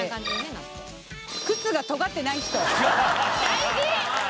大事！